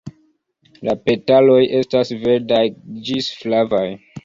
La petaloj estas verdaj ĝis flavaj.